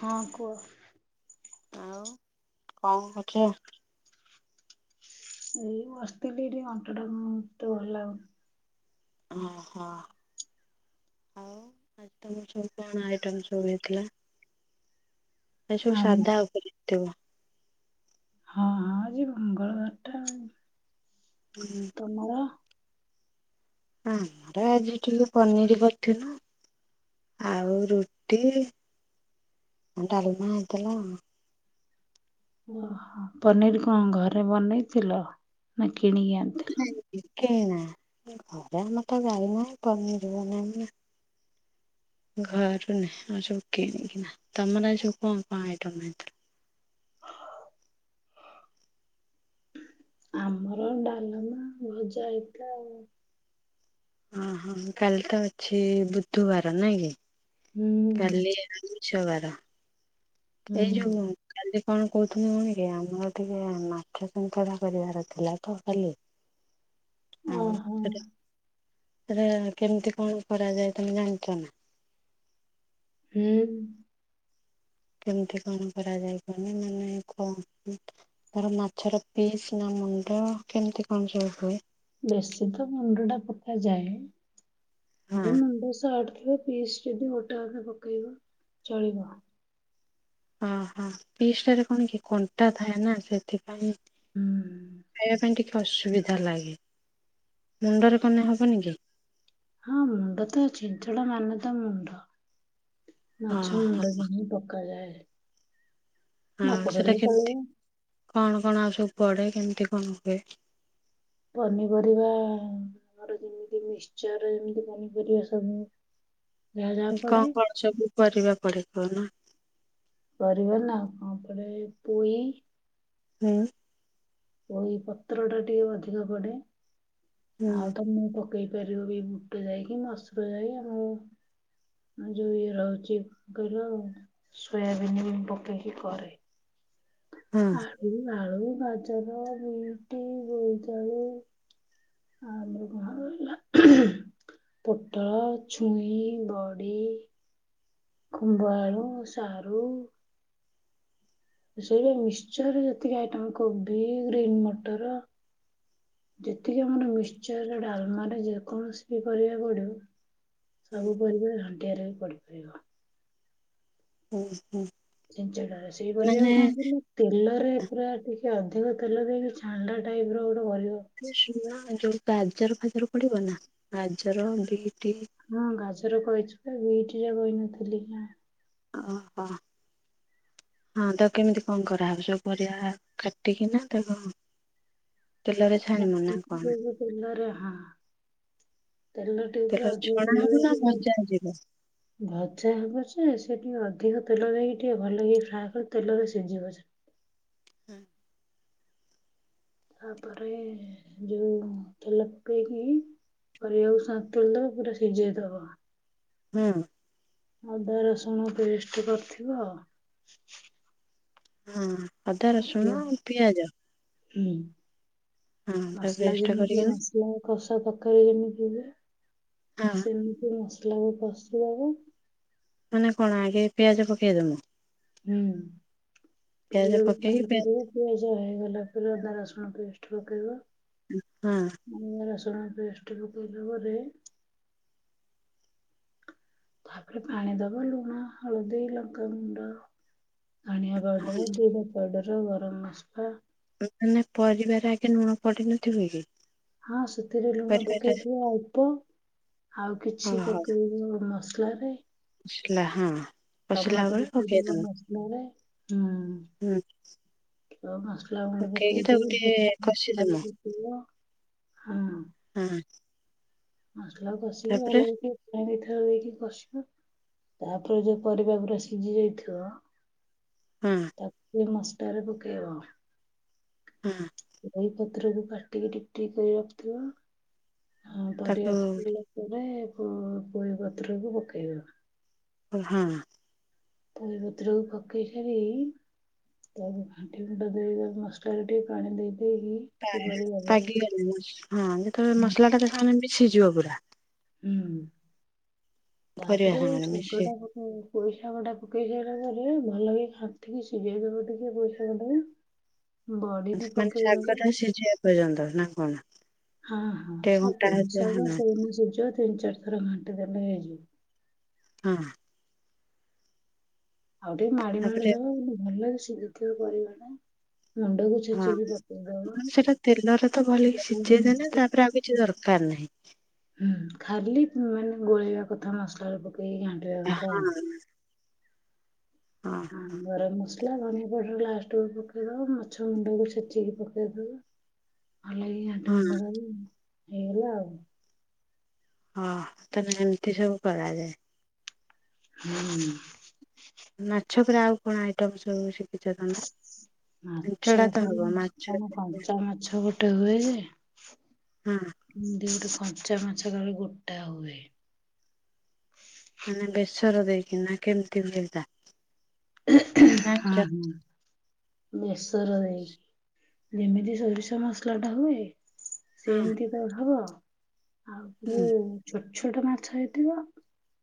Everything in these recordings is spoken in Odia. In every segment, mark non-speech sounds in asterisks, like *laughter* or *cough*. ହଁ, କୁଅ? ଆଉ କଣ କରୁଛ? ଏଇ ବସିଥିଲି ଟିକେ ଅଣ୍ଟାଟା କମ୍ ତ ଭଲ ଲାଗୁନି। ଓହୋ! ଆଉ ଆଜି ତମର ସବୁ କଣ ଆଇଟମ୍ ସବୁ ହେଇଥିଲା। ଏ ସବୁ ଆମ ସାଧା ଉପରେ ହେଇ ଥିବ। ହଁ, ହଁ ଆଜି ମଙ୍ଗଳବାରଟା। ଆଉ଼ ହୁଁ। ତମର। ଆମର ଆଜି ଟିକେ ପନିରି କରିଥିନୁ। ଆଉ ରୁଟି, ଡାଲମା, ହେଇଥିଲା। ଓହୋ! ପନିର କଣ ଘରେ ବନେଇଥିଲ! ନା କିଣିକି ଆଣିଥିଲ?। କିଣା, ଘରେ ଆମର ତ ଗାଈ ନାଇଁ ପନିର ବନେଇମୁଁ ଘରୁ ନାହିଁ, ଆମର ସବୁ କିଣିକିନା। ତମର ଆଜି ସଉ କଣ କଣ ଆଇଟମ୍ ହେଇଥିଲା? ଆମର ଡାଲମା, ଭଜା ହେଇଥିଲା ଆଉ। ଅହଁ କାଲି ତ ଅଛି, ବୁଧବାର ନାଇଁ କି? ହୁଁ କାଲି *inaudible* ଛ ବାର ହୁଁ ଏଇ ଯୋଉଁ କାଲି କଣ କହୁଥୁନୁ କି ଆମର ଟିକେ ମାଛ ଛେନ୍ତରା କରିବାର ଥିଲା ତ କାଲି? ଆଉ ଓହୋ *unintelligible* କେମିତି କଣ କରାଯାଏ ତମେ ଜାଣିଚ ନା? ହୁଁ। କେମିତି କଣ କରାଯାଏ କହିନେ ନା ନାଇଁ କଣ କେମତି? ତାର ମାଛର ପିସ୍ ନା ମୁଣ୍ଡ କେମତି କଣ ସବୁ ହୁଏ? ବେଶୀ ତ ମୁଣ୍ଡ ଟା ପକାଯାଏ। ହଁ ଯଦି ମୁଣ୍ଡ ସଟ୍ ଥିବ ପିସ୍ ଯଦି ଗୋଟେ ଆମେ ପକେଇବା ଚଳିବ। ଓହୋ! ପିସ୍ ଟାରେ କଣ କି କଣ୍ଟା ଥାଏ ନା, ସେଥିପାଇଁ ହୁଁ। ଖାଇବା ପାଇଁ ଟିକେ ଅସୁବିଧା ଲାଗେ, ମୁଣ୍ଡରେ କନେ ହବନି କି? ହଁ, ମୁଣ୍ଡ ତ ଛେଞ୍ଚଡ଼ ମାନେ ତ ମୁଣ୍ଡ। ମାଛ ଓହୋ ମୁଣ୍ଡ ଟାହିଁ ପକାଯାଏ। ହଁ, ନ ସେଟା ପକେଇଲେ କେମତି, ଚଳିବ କଣ କଣ ଆଉ ସବୁ ପଡେ, କେମିତି କଣ ହୁଏ? ପନିପରିବା-ଆ ଆମର ଯେମତି ମିକ୍ସଚର ଯେମିତି ପନିପରିବା ସବୁ ଯାହା ଯାହା ପଡେ କଣ କଣ ସବୁ କରିବା ପଡେ କହୁ ନା? ପରିିବା ନା କଣ କରିବା ଏ ପୁଇ ହୁଁ। ପୋଇ ପତ୍ର ଟା ଟିକେ ଅଧିକ ପଡେ। ଆଉ ତମେଁ ପକେଇ ପାରିବ ବି ବୁଟେ ଯାଇକି *unintelligible* ଯୋଉ ଇଏ ରହୁଛି, କଣ କହିଲ ସୋୟାବିିନ ବି ପକେଇକି କରେ। ଆଳୁ ଆଳୁ ଗାଜର ବିଟି ବୋଇତାଳୁ ଆମ ଭ *unintelligible* ପୋଟଳ ଛୁଇଁ ବଡ଼ି ଖୁମ୍ଭ ଆଳୁ ସାରୁ ସେଇଆ ମିକ୍ସଚରରେ ଯେତିକି ଆଇଟମ କବି ଗ୍ରୀନ୍ ମଟର ଯେତିକି ଆମର ମିକ୍ସଚର ଡାଲମାରେ ଯେକୌଣସି ବି ପରିବା ପଡିବ ହୁଁ ସବୁ ପରିବ ହଣ୍ଡିଆରେ ବି ପଡିପାରିବ ହୁଁ ହୁଁ ଞ୍ଚଟାରେ ସେଇପଉ ମାନେ କଣ କରିଲ *inaudible* ତେଲରେ ପୁରା ଟିକେ ଅଧିକ ତେଲ ଦେଇକି ଛାଣ୍ଲା ଟାଇପ ର ଗୋଟେ କରିବ ଶୁଣ ଯୋଉ ଗାଜର ଫାଜର ପଡିବ ନା ଗାଜର ବିଟି ହଁ ଗାଜର କହିଥିଲି ବା ବିଇଟିଟା କହିନଥିଲି ଓହୋ ହଁ ତ କେମିତି କଣ କରାହେବ ସବୁ ପରିବା କାଟିକିନା ତା କୁ କଣ? ବ କରିଲାରରେ ହଁ *inaudible* ତେଲ ରେ ଟିକେ ପରା ତେଲରେ ଅଧିକ ଛଣା ହବ ତେଲରେ ନା ଟିକେ ପରା ଭଜା ଯିବ? ଭଜା ହେବ ଯେ ସେ ଟିକେ ଅଧିକ ତେଲ ଦେଇକି ଟିକେ ଭଲ ହେ ଫ୍ରାଏ କରି ତେଲରେ ସିଝିବ ସେ ହୁଁ ତାପରେ ଯୋଉ ତେଲ ପକେଇକି କରିବାକୁ ସ ତୋଳି ଦବା ପୁରା ସିଝେଇ ଦବା ହୁଁ ଅଦା ରସୁଣ ପେଷ୍ଟ କରିଥିବ ହଁ ଅଦା ଆଉ ରସୁଣ ଆ ପିଆଜ ହୁଁ ହଁ ତା ମସଲା ପେଷ୍ଟ ଯେମିତିତି କରିକିନି ମସଲା ମସଲା କଷା ତରକାରୀ ଯେମିତି ହୁଏ ହଁ ସେମିତି ମସଲା କ କଷି ଦବ ମାନେ କଣ ଆଗେ ପିଆଜ ପକେଇଦବୁ ହୁଁ ପିଆଜ ଏ ଯୋଉ ପକେଇକି ସ୍ନାନ ପିଆ କରିବ ଏଜ ହେଇଗଲା ପରେ ଅଦା ରସୁଣ ପେଷ୍ଟ ପକେଇବା ହଁ। ଅଦା ରସୁଣ ପେଷ୍ଟ ପକେଇ ସାରିଲା ପରେ। ତାପରେ ପାଣି ଦବ ଲୁଣ ହଳଦୀ ଲଙ୍କାଗୁଣ୍ଡ। ଧଣିଆ ପାଉଡର ହଁ ଜିର ପାଉଡର ଗରମ ମସଲା। ମାନେ ପରିବା ରେ ଆଗେ ଲୁଣ ପଡି ନଥିବ କି। ହଁ ସେଥିରେ ଲୁଣ ପରିବାଟା ପକେଇଥିବ ଅଳ୍ପ। ଆଉ କିଛି ପକେଇବ ମସଲାରେ। କସିଲା ହଁ କସିଲା ବେଳେ ପକେଇ ଦେବୁ। ନରେ ହୁଁ। ହୁଁ। ମସଲା ଗୁଣ୍ଡ ପକେଇକି ପକାଇ ତାକୁ ଦେବୁ ଟିକେ ଗୋଟା ମସଲା କଷିଦବ ଯଦି ଥିବ‌ ହଁ। ହୁଁ। ମସଲା କୁ କସିବୁ ଭଲ କି। ପାଣି ଢାଳି ଦେଇକି କସିବୁ ତାପରେ ଯୋଉ ପରିବା ଗୁଡ଼ା ସିଝି ଯାଇଥିବ। ହଁ। ତାକୁ ମସଲା ରେ ପକେଇବ। ହୁଁ। ଦହି ପତ୍ରକୁ କାଟିକି ଟିକଟିକ କରି ତାକୁ ରଖିଥିବ ଆଉ ପରିବାକୁ। ଏବେ ପୋ ପୋଇ ପତ୍ରକୁ ପକେଇଦବ। *unintelligible* ପୋଇ ପତ୍ର‌କୁ ପକେଇ ସାରିକି ତାକୁ ଘାଣ୍ଟି ଘୁଣ୍ଟା ଦେଇ ମସଲାରେ ଟିକେ ପାଣି ଦେଇ ଦେଇକି ସେ ପରିବାରେ ପାଗି ଗନେ ହଁ ଯେତେବେଳେ ହୁଁ ମସଲାଟା ମିଶିଯିବ ପୁରା। ହୁଁ ପରିବା ତାପରେ ଏଇ ସାଙ୍ଗରେ ମିଶି ଶାଗଟା ପକେଇ ପୋଇ ଶାଗଟା ପକେଇ ସାରିଲା ପରେ ଭଲକି ଘାଣ୍ଟିକି ସିଝେଇଦବ ଟିକେ ପୋଇ ସାଗଟାକୁ। ମାନେ ଶାଗଟା ସିଝିବା ପର୍ଯ୍ୟନ୍ତ ନା କଣ? ହଁ ହଁ ଟିକେ ସବୁ ଘଣ୍ଟା ହେଇଥିବ ହଁ ପୋଇଶାଗ ସେଇନା ସିଝିବ ତିନି ଚାରି ଥର ଘାଣ୍ଟି ଦେଲେ ହେଇଯିବ। *unintelligible* ଆଉ ଟିକେ ମାଡି ମାଡି ତାପରେ ଦବ ଭଲସେ ସିଝିଥିବ ପରିବାଟା *unintelligible* ହଁ ତ ସେଟା ତେଲରେତ ଭଲକି ସିଝେଇ ଦେଲେ ପକେଇଦବ। ତାପରେ ଆଉ କିଛି ଦରକାର ନାହିଁ। ହୁଁ ଖାଲି ମାନେ ଗୋଳେଇବା କଥା ମସଲାରେ ପକେଇକି ଘାଣ୍ଟିବା କଥା ଆଉ *unintelligible* ହଁ ଆ ଗରମ ମସଲା ଧନିଆ ପାଉଡରେ ଲାଷ୍ଟକୁ ପକେଇ ଦବ ମାଛ ମୁଣ୍ଡକୁ ଛେଚିକି ପକେଇଦବ। ଭଲକି ଘାଣ୍ଟି ହଁ ଘୁଣ୍ଟି ଦେବ ହେଇଗଲା ଆଉ ହଁ ତାହେଲେ ଏମିତି ସବୁ କରାଯାଏ। ହୁଁ ଉୁଁ ମାଛ ଉପରେ ଆଉ କଣ ଆଇଟମ ସବୁ ଶିଖିଛ ତମେ ମାଛ ଛେଞ୍ଚଡାତ ଉପରେ ହବ ମାଛ କଣ କଞ୍ଚା ମାଛ ଗୋଟେ ହୁଏଯେ। ହୁଁ ଉୁଁ ଏମତି ଗୋଟେ କଞ୍ଚା ମାଛ କାଳେ ଗୋଟା ହୁଏ। ମାନେ ବେସର ଦେଇକିନା କେମିତି ହୁଏ ହେତା। *unintelligible* ହଁ ହୁଁ। ବେସର ଦେଇକି ଯେମିତି ସୋରିଷ ମସଲାଟା ହୁଏ ହଁ ସେମିତି। ହବ ଆଉମାନେ ହୁଁ ଛୋଟ ଛୋଟ ମାଛ ହେଇଥିବ।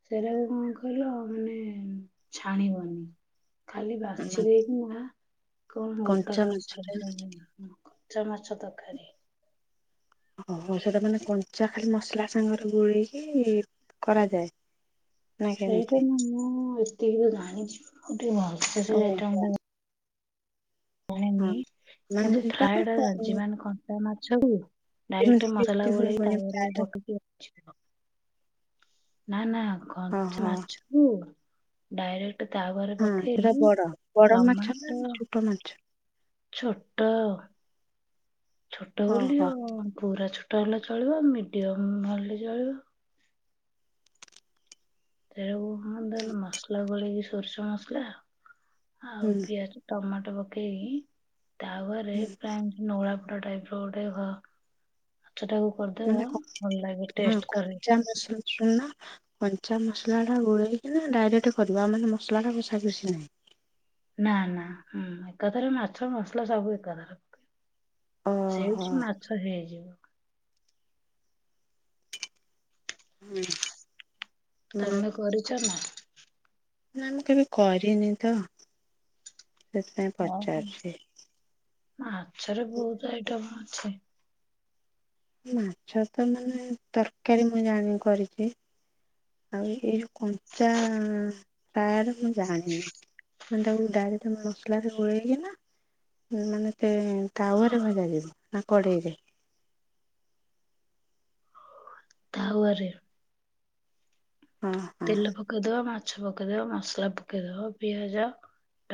ସେରାକୁ କଣ କହିଲ ମାନେ ଛାଣିବନି। ଖାଲି ବାଛି ଦେଇକିନା କଣ ଗୋଟା କଞ୍ଚା କାଳେ ମାଛଟା ସେମିତିଆ ହୁଏନି। କଞ୍ଚା ମାଛ ତରକାରୀ। ଓ ହୋ ସେଟା ମାନେ କଞ୍ଚା ଖାଲି ମସଲା ସାଙ୍ଗରେ ଗୋଳେଇକି କରାଯାଏ। ନା କେମିତି? ସେଇଟା ମୁଁ ଏତିକିତ ଜାଣିଛି ମୁଁ ଟିକେ ଭଲସେ ଓହୋ ଆଇଟମଟା ଯାଣିନି। ଜାଣିନି ହଁ ମାନେ କିନ୍ତୁ ସେଇଟା ତ ଫ୍ରାଏଟା ଜାଣିଛି କେମିତି ମାନେ କଞ୍ଚା ମାଛକୁ ଡାଇରେକ୍ଟ ମସଲା କେମିତି ହୁଏ ମାନେ ପ୍ରାୟଟା ଗୋଳେଇକି ତା *unintelligible* ନା ନା କଞ୍ଚା ଓହୋ ମାଛକୁ ଡାଇରେକ୍ଟ ତାୱାରେ ହଁ ସେଟା ପକେଇଲୁ ବଡ ବଡ ମାଛ ନା ଟମାଟ ଛୋଟ ମାଛ ଛୋଟ। ଛୋଟ ବୋଲି ଓହୋ ପୁରା ଛୋଟ ହେଲେ ଚଳିବ ମିଡିଅମ ହେଲେ ଚଳିବ। ସେଇଆକୁ ହଁ ଦେଲୁ ମସଲା ଗୋଳେଇକି ସୋରିଷ ମସଲା। ଆଉ ହୁଁ ପିଆଜ ଟମାଟ ପକେଇକି ତାୱାରେ ହୁଁ ପାୟ ନୋଳା ପୋଡା ଟାଇପର ଗୋଟେ ହ *unintelligible* ମାନେ କରିଦେବ କ ଭଲ ଲାଗେ ହଁ ଟେଷ୍ଟ *unintelligible* କରିକି ଶୁଣୁନ କଞ୍ଚା ମସଲାଟା ଗୋଳେଇକିନା ଡାଇରେକ୍ଟ କରିବ ଆଉ ମାନେ ମସଲାଟା କୋଷା କଷି ନାହିଁ। ନାଁ ନାଁ ହୁଁ ଏକାଥରେ ମାଛ ମସଲା ସବୁ ଏକାଥରେ। ଓହୋ ସେଇଠି ମାଛ ହେଇଯିବ ହୁଁ ମାନେ ତମେ କରୁଛ ନା ନା ମୁଁ କେବେ କରିନି ତ ସେଥିପାଇଁ ଓହୋ ପଚାରୁଛି। ମାଛରେ ବହୁତ ଆଇଟମ୍ ଅଛି ମାଛ ତ ମାନେ ତରକାରି ମୁଁ ଜାଣି କରିଦିଏ ଆଉ ଏଇ ଯୋଉ କଞ୍ଚା ତାର ମୁଁ ଜାଣିନି ମାନେ ତାକୁ ଡାଇରେକ୍ଟ ମସଲାରେ ଗୋଳେଇକିନା ମାନେ ତେ ତାୱାରେ ଭଜାଯିବ ନା କଡ଼େଇରେ ତାୱାରେ ହଁ ହଁ ତେଲ ପକେଇଦବା ମାଛ ପକେଇଦବ ମସଲା ପକେଇଦବ ପିଆଜ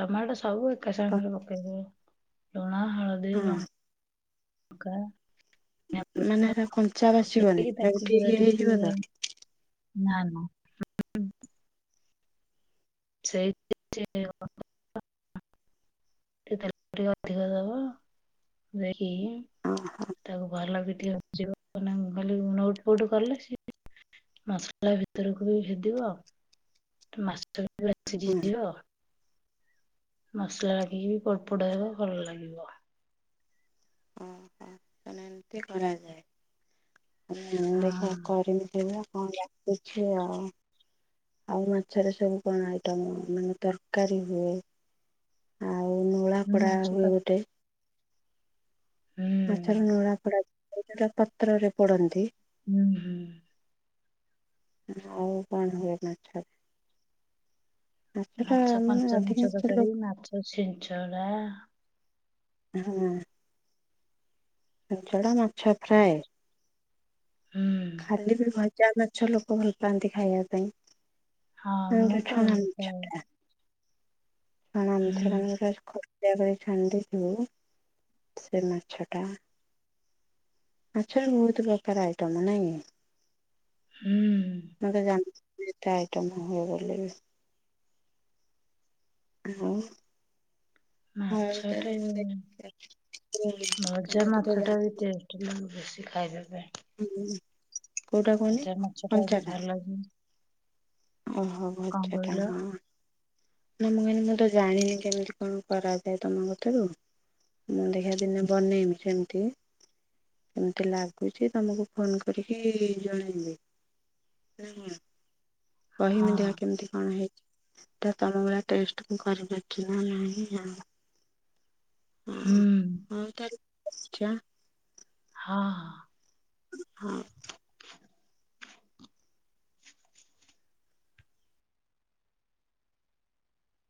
ଟମାଟୋ ସବୁ ଏକା ତ ସାଙ୍ଗରେ ପକେଇଦବ ଲୁଣ ହଳଦୀ ହଁ ଲ ଙ୍କା ମାନେ ଏଟା କଞ୍ଚା ବାସିବନି ପକେଇକି ସବୁ ତାକୁ ପୁରା ଠିକ୍ ଟିକେ ହେଇଯିବ ତ ନା ନୁ ସେଇଥିରେ ହବ ଟିକେ ତେଲ ଅଧିକ ଦବ ଦେଇକି ଓହୋ ତାକୁ ଭଲକି ଟିକେ ଭାଜିବ ମାନେ ମୁଁ କହିଲି ଖାଲି ନୋଉଟ ପୋଉଟ କଲେ ସିଏ ମସଲା ଭିତରକୁ ବି ଭେଦିବ ସିଝି ହୁଁ। ଯିବ ମସଲା ଲାଗିକି ବି ପୋଡ଼ ପୋଡ଼ ହବ ଭଲ ଲାଗିବ ଓହୋ ମାନେ ଏମତି କରାଯାଏ ହଁ ଦେଖିବା ହଁ କରିବି କେବେ କଣ ଲାଗୁଛି ଆଉ ଆଉ ମାଛରେ ସବୁ କଣ ଆଇଟମ୍ ମାନେ ତରକାରି ହୁଏ ଆଉ ନୋଳା ପୋଡ଼ା ମାଛ ହୁଏ ତରକାରୀ ଗୋଟେ ହୁଁ ମାଛର ନୋଳା ପଡ଼ା ପତ୍ରରେ ପୋଡନ୍ତି ହୁଁ ହୁଁ ଆଉ କଣ ହୁଏ ମାଛରେ ମାଛଟା ମାନେ ଅଧିକାଂଶ ଲୋ ଛେଞ୍ଚଡା ହୁଁ ଛେଞ୍ଚଡା ମାଛ ଫ୍ରାଏ ହୁଁ ଖାଲି ବି ଭଜା ମାଛ ଲୋକ ଭଲ ପାଆନ୍ତି ଖାଇବା ପାଇଁ ହଁ ମୁଁ ଯେଉଁ ତ ଛଣା ଭଲ ମାଛ ପାଏ ଟା ଛଣା ମାଛଟା ହୁଁ କଡକଡିଆ କରିକି ଛାଣିଦେଇଥିବୁ ସେ ମାଛ ଟା ମାଛରେ ବହୁତ ପ୍ରକାର ଆଇଟମ ନାଇଁକି ହୁଁ ମୁ ତ ଜାଣିଥିଲି ଏତେ ଆଇଟମ୍ ହୁଏ ବୋଲି ଆଉ ହଉ ମାଛଟେ ତାହେଲେ ମୁଁ ଦେଖିବି ଭଜା ତମଠୁ ତ ମାଛ ଟା ବି ଟେଷ୍ଟେ ବେଶୀ ଖାଇବାପାଇଁ ହୁ କୋଉଟା କହନି କଞ୍ଚାଟା ଆଜି ଓହୋ ଭଜା ଟା କହିଲ ହଁ ନା ମୁଁ କହିଲି ମୁଁ ତ ଜାଣିନି କେମିତି କଣ କରାଯାଏ ତମ କଠାରୁ? ମୁଁ ଦେଖାଦିନେ ବନେଇବି ସେମତି। କେମିତି ଲାଗୁଚି ତମକୁ ଫୋନ କରିକି ଜଣେଇବି। ନା କଣ। ହଁ କହିବି ଯ କେମିତି କଣ ହେଇଚି। ସେଟା ତମ ଭଳି ଟେଷ୍ଟ ମୁ କରିବାର କି ନାଇଁ ଜାଣିନି। ହଁ ହୁଁ ହଉ ତାଲେ *inaudible* ଛା ହଁ ହଁ। ହଁ। *inaudible*